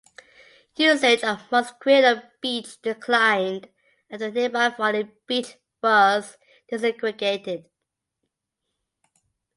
Usage of Mosquito Beach declined after nearby Folly Beach was desegregated.